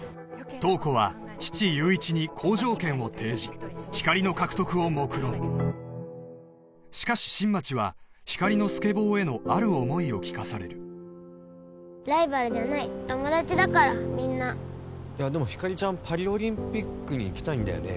塔子は父・悠一に好条件を提示ひかりの獲得をもくろむしかし新町はひかりのスケボーへのある想いを聞かされるライバルじゃない友達だからみんないやでもひかりちゃんパリオリンピックに行きたいんだよね？